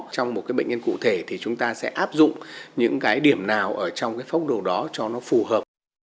trong một bệnh nhân cụ thể chúng ta sẽ áp dụng những điểm nào trong phát đồ đó cho nó phù hợp